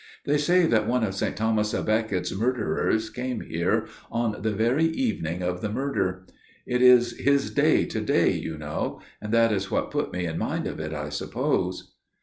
They say that one of St. Thomas à Becket's murderers came here on the very evening of the murder. It is his day, to day, you know, and that is what put me in mind of it, I suppose."